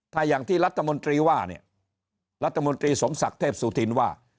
ถ้าอย่างที่รัฐมนตรีว่าเนี่ยรัฐมนตรีสมศักดิ์เทพสุธินว่า